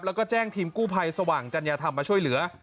แล้วก็แจ้งทีมกู้ภัยสว่างจัญญาธรรมมาช่วยเหลือ